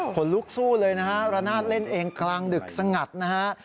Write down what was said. คนลุกสู้เลยนะฮะระนาดเล่นเองกลางดึกสงัดนะฮะ